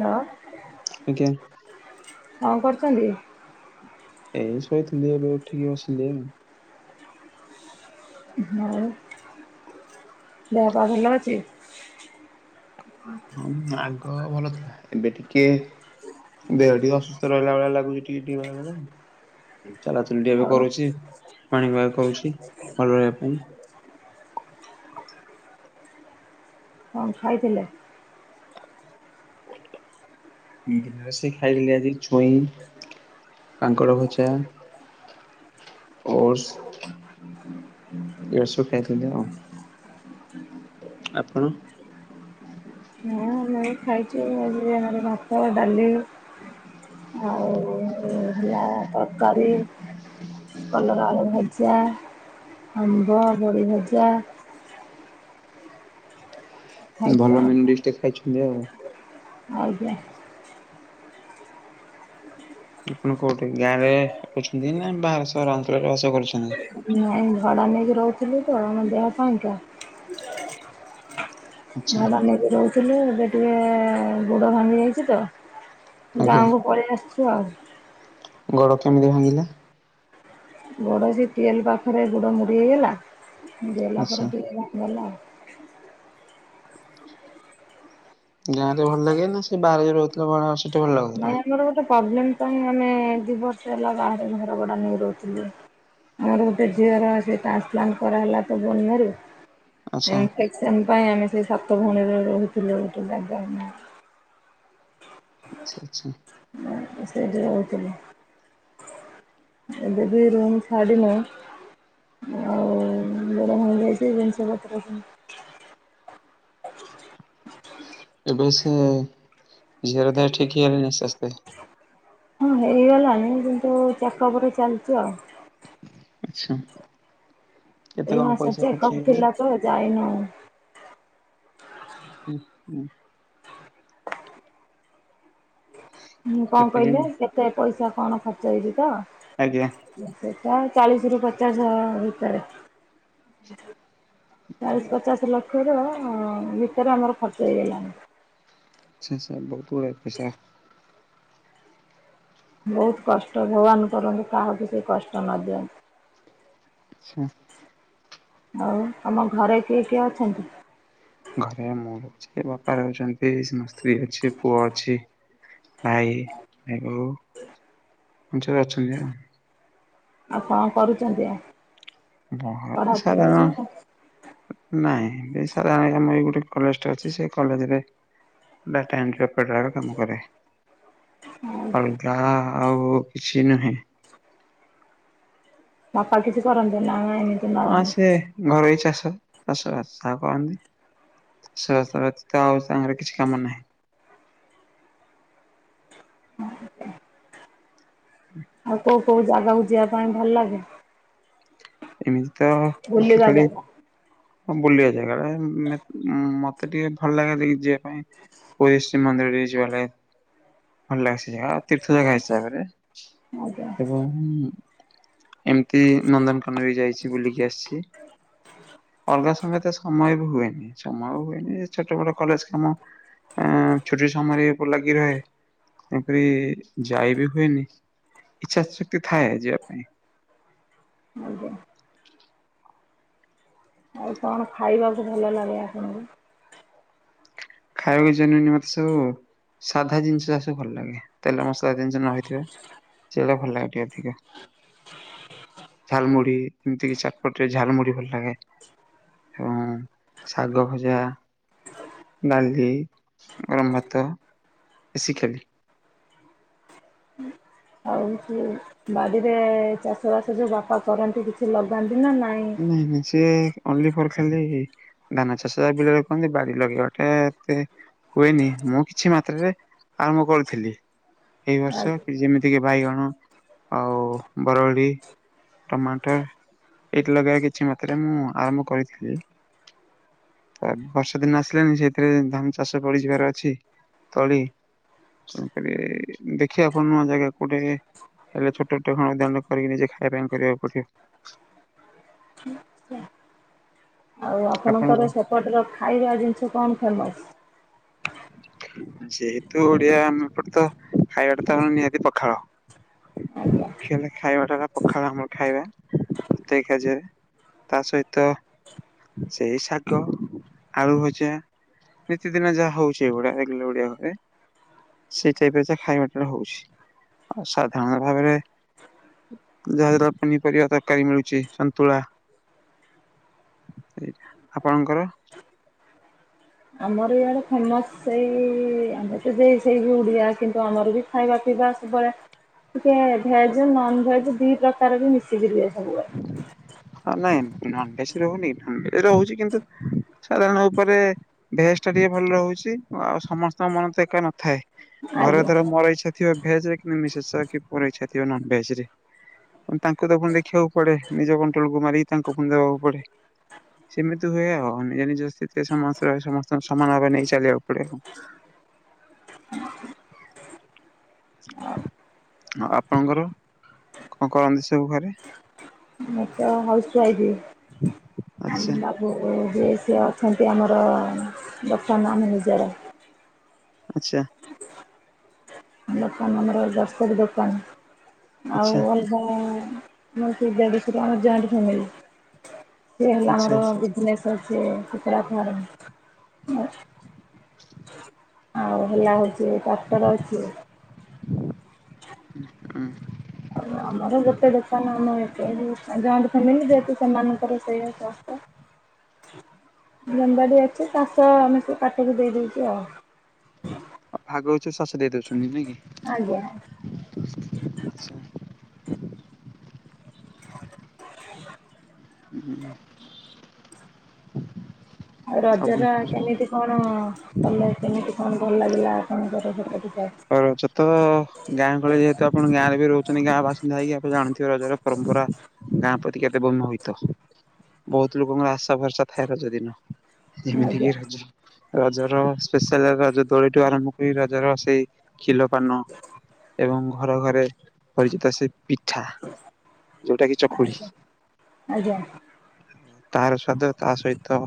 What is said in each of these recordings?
ନା। ଆଜ୍ଞା କଣ କରୁଚନ୍ତି? ଏଇ ଶୋଇଥିଲି ଏବେ ଉଠିକି ବସିଲି ଆଉ। ଆଉ ଦେହ ପା ଭଲ ଅଛି? ହଁ ଆଗ ଭଲ ଥିଲା ଏବେ ଟିକେ ଦେହ ଟିକେ ଅସୁସ୍ଥ ରହିଲା ଭଳିଆ ଲାଗୁଚି ଟିକେ ଟିକେ ବେଳେ ବେଳେ। ଚାଲାଚୁଲିଟିଏ ବି ଆଉ କରୁଚି ପାଣି ବାହାର କରୁଛି ଭଲ ରହିବା ପାଇଁ। ଓହଃ କଣ ଖାଇଥିଲେ? ଦିନରେ ସେ ଖାଇ ଥିଲି ଆଜି ଛୁଇଁ, କାଙ୍କଡ଼ ଭଜା। ଓଡସ୍ ଓଡସ୍ ବି ଖାଇଥିଲି ଆଉ। ଆପଣ? ଏଇ ଖାଇଚି ଆଉ [unintelligible] ଭାତ, ଡାଲି ଆଉ ହେଲା ତରକାରୀ। କଲରା ଆଳୁ ଭଜା ଆମ୍ବ ବଡ଼ି ଭଜା। ଖାଇଛୁ ଭଲ ଆଉ। ମେନ୍ ଡିସ୍ ଟେ ଖାଇଛନ୍ତି ଆଉ। ଆଜ୍ଞା। ଆପଣ କୋଉଠି ଗାଁରେ ରହୁଛନ୍ତି ନା ବାହାର ସହର ଅଞ୍ଚଳରେ ବାସ କରୁଛନ୍ତି। ନାଇଁ ଭଡା ନେଇକି ରହୁଥିଲି ତ ଦେହ ପାଇଁକା ଆଚ୍ଛା ଭଡା ନେଇକି ରହୁଥିଲୁ ଏବେ ଟିକେ ଗୋଡ଼ ଭାଙ୍ଗି ଯାଇଛି ତ ଆଜ୍ଞା ଯାହା ହଉ ପଳେଇ ଆସିଛି ଆଉ ଗୋଡ କେମିତି ଭାଙ୍ଗିଲା ଗୋଡ଼ ସେଇ ଟିୱଲ୍ ପାଖରେ ଗୋଡ଼ ମୋଡ଼ି ହେଇଗଲା ଏମିତି ହେଲା ଆଚ୍ଛା। ପରେ ଟିକଏ ଭାଙ୍ଗିଗଲା ଆଉ। ଗାଁରେ ଭଲ ଲାଗେ ନା ସେ ବାହାରେ ରହୁଥିଲା ବେଳେ ସେଠି ଭଲ ଲାଗୁଥିଲା। ପ୍ରୋବ୍ଲେମ୍ ପାଇଁ ଆମେ ଦୁଇ ବର୍ଷ ହେଲା ବାହାରେ ଘର ଭଡ଼ା ନେଇ ରହୁଥିଲୁ। ଆଉ ଗୋଟେ ଝିଅର ସେଇ ଟ୍ରାନ୍ସପ୍ଲାନ୍ କରାହେଲା ତ ପୂର୍ବରୁ ଆଚ୍ଛା ଇନଫେକ୍ସନ ପାଇଁ ଆମେ ସେ ସାତ ଭଉଣୀରେ ରହୁଥିଲୁ ଗୋଟେ ଜାଗା ଆଚ୍ଛା ଆଚ୍ଛା। ସେଇଠି ରହୁଥିଲୁ। ଏବେ ବି ରୁମ ଛାଡ଼ିନୁ। ଆଉ ଗୋଡ଼ ମୋଡ଼ି ହେଇଛି ଜିନିଷ ପତ୍ର। ଏବେ ସେ ଜାଗାଟା ଠିକ ହେଲାଣି ଆସ୍ତେ ଆସ୍ତେ ହଁ ହେଇଗଲାଣି କିନ୍ତୁ ଚକା ଉପରେ ଚାଲିଛି ଆଉ ଆଚ୍ଛା। କେତେ ଏଇ କଣ ମାସ ପଇସା ଖର୍ଚ୍ଚ ଚେକଅପ ହେଇଗଲା? ଥିଲା ଯେ ଯାଇନୁ ହ ହୁଁ। ହଁ କଣ କେତେ କହିଲେ କେମି କେତେ ପଇସା କଣ ଖର୍ଚ୍ଚ ଆଜ୍ଞା ହେଉଛିି ତ ଚାଳିଶ ରୁ ପଚାଶ ଭିତରେ ଚାଳିଶ ପଚାଶ ଲକ୍ଷ ର ଭିତରେ ଆମର ଖର୍ଚ୍ଚ ହେଇଗଲାଣି। ଆଛା ଆଛା ବହୁତ ପଇସା ବହୁତ କଷ୍ଟ ଭଗବାନ କରନ୍ତିୁ କାହାକୁ ସେ କଷ୍ଟ ନ ଦିଅନ୍ତିୁ। ଆଚ୍ଛା। ଆଉ ତମ ଘରେ କିଏ କିଏ ଅଛନ୍ତି ଘରେ ମୁଁ ରହୁଛି ବାପା ରହୁଛନ୍ତି ସ୍ତ୍ରୀ ଅଛି ପୁଅ ଅଛି ଭାଇ ଭାଇ ବହୂ ଏମିତି ସବୁ ଅଛନ୍ତି ଆଉ। ଆଉ କଣ କରୁଛନ୍ତି ଆଉ। ବହୁତ ପଇସା କ ପଢାପଢି ନା [unintelligible] ନାଇଁ ସଣ ଆର ଗୋଟେ କଲେଜ ଟେ ଅଛି ସେ କଲେଜରେ ଡାଟା ଏଣ୍ଟ୍ରିରେ କାମ କରେ। ଅଲଗା ଆଉ କିଛି ନୁହେଁ ବାପା କିଛି କରନ୍ତିନି। ହଁ ସେ ଘରୋଇ ଚାଷ ଚାଷବାସ ଯାହା କରନ୍ତି ସାରେ ଆଉ ସାଙ୍ଗରେ କିଛି କାମ ନାହିଁ। ଆଉ କୋଉ କୋଉ ଜାଗାକୁ ଯିବା ପାଇଁ ଭଲ ଲାଗେ ଏମିତି ତ ବୁଲିବା ଦେଖିଥିଲି ଜାଗା ବୁଲିବା ଜାଗା ମତେ ଟିକେ ଭଲ ଲାଗେ ଯିବା ପାଇଁ ପୁରୀ ଶ୍ରୀ ମନ୍ଦିରରେ ଯିବା ପାଇଁ ଭଲ ଲାଗେ ସେ ଜାଗା ତୀର୍ଥ ଜାଗା ହିସାବରେ ଆଜ୍ଞା ଏବଂ ଏମିତି ନନ୍ଦନକାନ ବି ଯାଇଛି ବୁଲିକି ଆସିଛି। ଅଲଗା ସମୟେ ତ ସମୟ ବି ହୁଏନି ସମୟ ହୁଏନି! ଛୋଟ ବଟ କଲେଜ କାମ ଆ ଛୁଟି ସମୟରେ ଉପ ଲାଗି ରହେ, ତେଣୁକରି ଯାଇ ବି ହୁଏନି। ଇଚ୍ଛା ଶକ୍ତି ଥାଏ ଯିବା ପାଇଁ। ଆଜ୍ଞା। ଆଉ କଣ ଖାଇବାକୁ ଭଲ ଲାଗେ ଆପଣଙ୍କୁ। ଖାଇକି [unintelligible] ମତେ ସବୁ। ସାଧା ଜିନିଷ ଅସବୁ ଭଲ ଲାଗେ! ତେଲ ମସଲା ଜିନିଷ ନ ହେଇଥିବା। ସେଉଡା ଭଲ ଲାଗେ ଟିକେ ଅଧିକ। ଝାଲମୁଡିି ଏମତି କି ଚାଟପଟରେ ଝାଲମୁଢି ଭଲ ଲାଗେ। ଏବଂ ଶାଗ ଭଜା ଡାଲି ଗରମ ଭାତ ଦେଶୀ ଖାଲି। ତମକୁ ବାଡିରେ ଚାଷ ବାସ ଯୋଉ ବାପା କରନ୍ତି କିଛି ଲଗା ନାଇଁ ନାଇଁ ସିଏ ଓନ୍ଲି ଫର୍ ଖାଲି ଧାନ ଚାଷ ବିଲରେ କରନ୍ତି। ବାଡି ଲଗେଇବାଟା ଏତେ ହୁଏନି। ମୁଁ କିଛି ମାତ୍ରାରେ ଆରମ୍ଭ କରୁଥିଲି। ଏଇ ଆ ବର୍ଷ କି ଯେମିତି କି ବାଇଗଣ ଆଉ ବରଗଡି ଟମାଟର ଏଇଠି ଲଗେଇବା କିଛି ମାତ୍ରାରେ ମୁଁ ଆରମ୍ଭ କରିଥିଲି। ତ ବର୍ଷା ଦିନ ଆସିଲାଣିି ସେଇଥିରେ ଧାନ ଚାଷ କରିଯିବାର ଅଛି। ତଳି ତେଣୁକରି ଦେଖିବା କଣ ନୂଆ ଜାଗା କୋଉଟେ ହେଲେ ଛୋଟଟ ଦଣ୍ଡ କରିକି ନିଜେ ଖାଇବା ପାଇଁ କରିବାକୁ ପଡିବ। ଆଉ ଆପଣଙ୍କ ଆପଣଙ୍କର ସେପଟର ଖାଇବା ଜିନିଷ କଣ ଫେମସ୍? ଯେହେତୁ ଓଡିଆ ଆମ ଏପଟ ତ ଖାଇବାଟ ତ ନିହାତି ପଖାଳ। ଆଜ୍ଞା। ମୂଖ୍ୟ ହେଲା ଖାଇବା ଟା ପଖାଳ ଆମର ଖାଇବା। ଏତିକି ଖିଆ ଯାଏ ତା ସହିତ ସେଇ ଶାଗ ଆଳୁ ଭଜା। ନିତିଦିନ ଯାହା ହଉଛି ଏ ଗୁଡା ରେଗୁଲାର ଓଡିଆ ଘରେ। ସେଇ ଟାଇପରେ ଯ ଖାଇବାଟ ହଉଛି। ଆଉ ସାଧାରଣ ଭାବରେ ଯାହାଦ୍ଵାରା ପନିପରିବା ତରକାରୀ ମିଳୁଛି। ସନ୍ତୁଳା [inaudible] ସେଇଟା ଆପଣଙ୍କର? ଆମର ଇଆଡେ ଫେମସ ସେଇ ଆମେ ତ ସେଇ ବି ଓଡିଆ କିନ୍ତୁ ଆମର ବି ଖାଇବା ପିଇବା ସବୁ ଉରା। ଟିକେ ଭେଜ ନନଭେଜ ଦି ପ୍ରକାର ବି ମିଶିକିରି ହୁଏ ସବୁବେଳେ। ହଁ ନାଇଁ ନନଭେଜ ରହୁନି ନନଭେଜ ରହୁଛି। କିନ୍ତୁ ସାଧାରଣ ଉପରେ ଭେଜଟା ଟିକେ ଭଲ ରହୁଛି ଆଉ ସମସ୍ତଙ୍କ ମନ ତ ଏକା ନଥାଏ ଆଜ୍ଞା ଘରେଧର ମୋର ଇଛା ଥିବ ଭେଜ ରେ କିନ୍ତୁ ମିସେଶରେ କି ପୁଅର ଇଚ୍ଛାଥିବ ନନ୍ ଭେଜରେ। ତାଙ୍କୁ ତ ପୁଣି ଦେଖିବାକୁ ପଡେ। ନିଜ କଣ୍ଟ୍ରୋଲକୁ ମାରିକି ତାଙ୍କୁ ପୁଣି ଦେବାକୁ ପଡେ। ସେମିତି ହୁଏ ଆଉ ନିଜ ନିଜ ସ୍ଥିତିରେ ରେ ସମସ୍ତ ସମସ୍ତଙ୍କ ସମାନ ଭାବ ନେଇ ଚାଲିବାକୁ ପଡ଼େ। ହଁ। ଆଉ ଆପଣଙ୍କର କଣ କରନ୍ତି ସବୁ ଘରେ? ମୁଁ ତ ହାଉସ୍ ୱାଇଫ ଆଚ୍ଛା ଆମ ବାବୁ ଯିଏ ସେ ଅଚ୍ଛ ସେମତି ଆମର ବର୍ତ୍ତମାନ ଆମେ ନିଜର ଆଚ୍ଛା। ଦୋକାନ ଆମର ଗ୍ରୋସରି ଦୋକାନ ଆଚ୍ଛା ଆଉ ଅଲଗା ମୋର ସେ ଦେଢଶୁର ଆମ ଜଏଣ୍ଟ ଫ୍ୟାମିଲି। ସିଏ ହେଲେ ଆମର ଆଚ୍ଛା। ବିଜିନେସ ତ ସିଏ କୁକୁଡ଼ା ଫାର୍ମ କ [inaudible] ଆଉ ହେଲା ହେଉଛି ଟ୍ରାକ୍ଟର ଅଛି। [inaudible] ଆମର ଗୋଟେ ଦୋକାନ ଆମ ଏତ ଜଏଣ୍ଟ ଫ୍ୟାମିଲି। ଯେହେତୁ ସେମାନଙ୍କର ସେଇଆ ସଂସ୍ଥା। ଜମି ବାଡି ଅଛି ଚାଷ ଆମେ ସବୁ କାଟିକି ଦେଇଦଉଛି ଆଉ ଆଉ ଭାଗ ହୋଉଛି ଶାଶୁ ଦେଇଦଉଛନ୍ତି ନାଇଁକି? ଆଜ୍ଞା [inaudible] ଆଉ ରଜର କେମିତି କଣ କଲେ କେମିତି କଣ ଭଲ ଲାଗିଲା ଆପଣଙ୍କର ସେପଟେ ରଜ ତ ଗାଁ ଗହଳି ଯେହେତୁ ଆପଣ ଗାଁରେ ବି ରହୁ ଛନ୍ତି ଗାଁ ବାସିନ୍ଦା ହେଇକି ଆପଣ ଜାଣିଥିବ ରଜର ପରମ୍ପରା ଗାଁ ପ୍ରତି କେତେ ବୋମୋହିତ। ବହୁତ ଲୋକଙ୍କର ଆଶା ଭରଷା ଥାଏ ରଜ ଦିନ। ଯେମିତି ଆଜ୍ଞା କିି ରଜ ରଜର ସ୍ପେଶାଲ ରଜ ଦୋଳିଠୁ ଆରମ୍ଭ କରି ରଜର ସେଇ କ୍ଷିଲପାନ ଏବଂ ଘରେ ଘରେ ପରିଚିତ ସେ ପିଠା ଯୋଉଟା କି ଚକୁଳି। ଆଜ୍ଞା ଆଜ୍ଞା ତାର ସ୍ଵାଦ ତା ସହିତ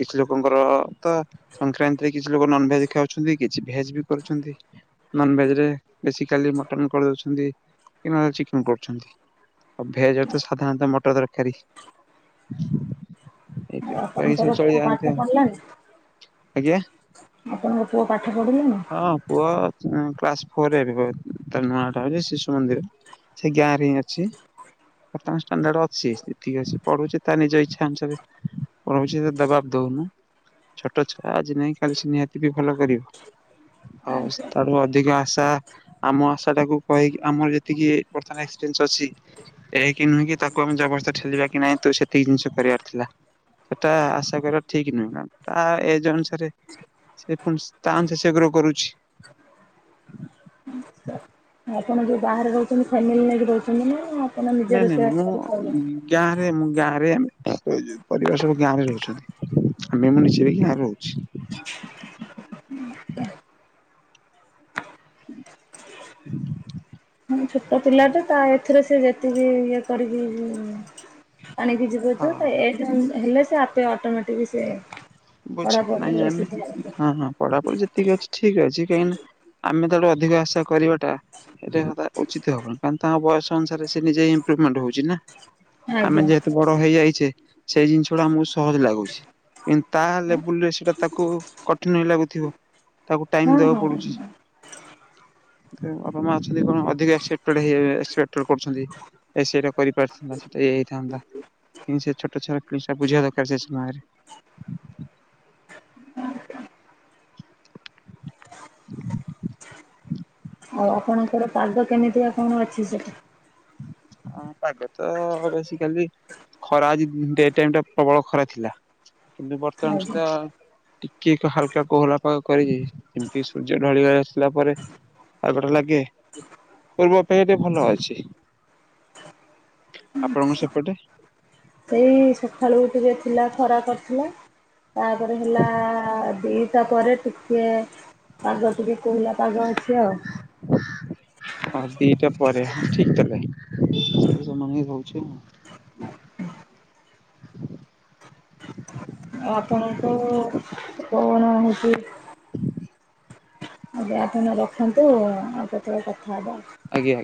କିଛି ଲୋକଙ୍କର ତ ସଂକ୍ରାନ୍ତିରେ କିଛି ଲୋକ ନନଭେଜ ଖାଉ ଛନ୍ତି କିଛି ଭେଜ ବି କରୁଛନ୍ତି। ନନଭେଜରେ ବେଶିକାଲି ମଟନ କଳଉଛନ୍ତି କି ନହେଲେ ଚିକେନ କରୁଛନ୍ତି। ଆଉ ଭେଜରେ ତ ସାଧାରଣତଃ ମଟର ତରକାରୀ। ଏଇ ଆଉ କରି ସବୁ ଆପଣଙ୍କର ପୁଅ ଚଳିଯାଆନ୍ତି ପାଠ ଆଉ ପଢ଼ିଲାଣି? ଆଜ୍ଞା? ଆପଣଙ୍କ ପୁଅ ପା ହଁ ପୁଅ ଉଁ କ୍ଲାସ ଫୋର ଏବେ ପଏ ତା ନୂଆଟା ହୋଉଚି ଶିଶୁମନ୍ଦିର ସେ ଗାଁରେ ହିଁ ଅଛି। ବର୍ତ୍ତମାନ ଷ୍ଟାଣ୍ଡାର୍ଡ ଅଛି ସ୍ତିତି ଅଛି ପଢୁଚି ତା ନିଜ ଇଚ୍ଛା ଅନୁସାରେ ପଢୁଛିି ଏତେ ଦବାବ ଦଉ ଦୋଉନୁ ଛୋଟ ଛୁଆ ଆଜି ନାଇଁ କାଲି ସେ ନିହାତି ବି ଭଲ କରିବ। [inaudible] ହୋଉ ସେ ତାଠୁ ଅଧିକ ଆଶା ଆମ ଆଶାଟାକୁ କହିକି ଆମର ଯେତିକି ଏ-ବର୍ତ୍ତମାନ ଏକ୍ସଟେନସ୍ ଅ ଛି ଏହାକି ନୁହେଁ କି ତାକୁ ଆମେ ଜବରଦସ୍ତ ଠେଲିବା କି ନାଇଁ ତୁ ସେତିକି ଜିନିଷ କରିବାର ଥିଲା। ସେଟା ଆଶା କରିବା ଠିକ ନୁହେଁନା ତା ଏଜ ଅନୁସାରେ ସେ ପୁଣି ସେ ତା ଅନୁସାରେ ସେ ଗ୍ରୋ କରୁଛି। ସାର୍। ଆପଣ ଯୋଉ ବାହାରେ ରହୁଛନ୍ତି ଫ୍ୟାମିଲି ନେଇକି ରହୁଛନ୍ତି ନା ଆପଣ ନିଜେ ନାଇଁ ନାଇଁ ନାଇଁ ରୋଷେଇବାସ କରି ଖାଇବେ? ମୁଁ ଗାଁ ଏ ଗାଁରେ ଏ ପରିବାର ସବୁ ଗାଁରେ ରହୁଛନ୍ତି। [unintelligible] ଗାଁରେ ରହୁଛି। [unintelligible] ହୁଁ ଛୋଟ ପିଲାଟେ ତା ଏଥିରେ ସେ ଯେତିକି ଇଏ କରିକି ଆଣିକି ଯିବ ହଁ ଯିଏ ତା ଏଜେ ହେଲେ ସେ ଆପେ ଅଟୋମେଟିକି ସେ ବୁଝେ ପଢ଼ାପଢ଼ି ନାଇଁ ବେଶୀ ଆମେ ଧ୍ୟାନ ଦିଏ। ହଁ ହଁ ପଢାପଢି ଯେତିକି ଅଛି ଠିକ ଅଛି କାହିଁକିନା ଆମେ ତାଠୁ ଅଧିକ ଆଶା କରିବାଟା ଏଟା ତା ଉଚିତ ହବନି କାରଣ ତାଙ୍କ ବୟସ ଅନୁସାରେ ସିଏ ନିଜେ ହିଁ ଇମ୍ପ୍ରୁଭମେଣ୍ଟ ହୋଉଚି ନା। ଆମେ ଆଜ୍ଞା ଯେହେତୁ ବଡ ହେଇଯାଇଚେ ସେଇ ଜିନିଷଗୁଡା ଆମକୁ ସହଜ ଲାଗୁଛି କିନ୍ ତାହା ଲେବୁଲରେ ସେଟା ତାକୁ କଠିନ ହିଁ ଲାଗୁଥିବ ତାକୁ ଟାଇମ ହଁ ଦବାକୁ ହଁ। ପଡୁଚି। [unintelligible] ତଥାପି ବାପା ମାଆ ଅଛନ୍ତି କଣ ଅଧିକା ଏକ୍ସପେକ୍ଟେଡ ହେଇ ଏକ୍ସପେକ୍ଟ କରୁଛନ୍ତି ଏ ସେଇଟା କରିପାରିଥାନ୍ତା ସେଟା ଇଏ ହେଇଥାନ୍ତା କିନ୍ତୁ ସେ ଛୋଟ ଛୁଆର [unintelligible] ବୁଝିବା ଦରକାର ସେ ସମୟରେ। [unintelligible] ଆଉ ଆପଣଙ୍କର ପାଗ କେମିତିକା କଣ ଅଛି ସେଠି? ହଁ ପାଗ ତ ବେସିକାଲି ଖରା ଆଜି ଡେ ଟାଇମଟା ପ୍ରବଳ ଖରା ଥିଲା କିନ୍ତୁ ବର୍ତ୍ତମାନ ଆଜ୍ଞା। ସୁଦ୍ଧା ଟିକିଏକି ହାଲକା କୋହଲା ପାଗ କରିକି ଏମତି ସୂର୍ଯ୍ୟ ଢଳିି ଆସିଲା ପରେ ଆଉ ଗୋଟେ ଲାଗେ ପୂର୍ବ ଅପେକ୍ଷା ଟିକେ ଭଲଅଛି। ଆପଣଙ୍କ ସେପଟେ? ସେଇ ସଖାଳୁକୁ ଟିକେ ଥିଲା ଖରା କରଥିଲା। ତାପରେ ହେଲା ଦିଟା ପରେ ଟିକେ ପାଗ ଟିକେ କୋହଲା ପାଗ ଅଛି ଆଉ। ହଁ ଦିଟା ପରେ ଠିକ ହଁ କଲେ [unintelligible] ସମ୍ଭାଳି ହୋଉଛି। ଆଉ ଆପଣଙ୍କୁ କଣ ହୁଏ। ଆଗେ ଆପଣ ରଖନ୍ତୁ ଆଉ କେତଳେ କଥା ହବା ଆଉ। ଆଜ୍ଞା ଆଜ୍ଞା।